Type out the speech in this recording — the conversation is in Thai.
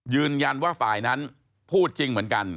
ยืนยันว่าฝ่ายนั้นพูดจริงเหมือนกัน